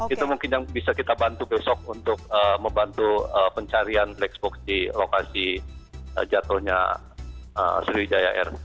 itu mungkin yang bisa kita bantu besok untuk membantu pencarian black spock di lokasi jatuhnya dewi jaya r